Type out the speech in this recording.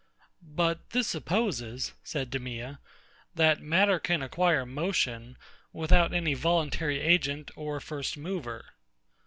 But this supposes, said DEMEA, that matter can acquire motion, without any voluntary agent or first mover.